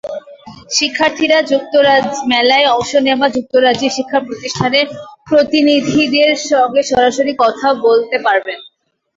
শিক্ষার্থীরা মেলায় অংশ নেওয়া যুক্তরাজ্যের শিক্ষাপ্রতিষ্ঠানের প্রতিনিধিদের সঙ্গে সরাসরি কথা বলতে পারবেন।